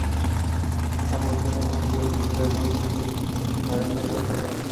Ambos tienen estilos de vida, gustos y pareceres muy diferentes.